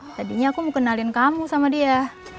tadinya aku mau kenalin kamu sama dia